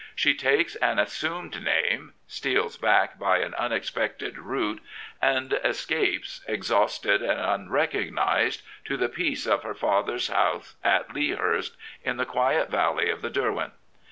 She takes an assumed name, steals back by an un 117 Prophets, Priests, and Kings expected route, and escapes, exhausted and unrecog nised, to the peace of her father's house at Lea Hurst, in the quiet valley of the Derwent.